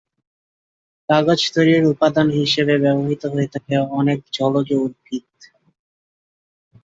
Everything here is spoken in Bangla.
কাগজ তৈরির উপাদান হিসেবে ব্যবহৃত হয়ে থাকে অনেক জলজ উদ্ভিদ।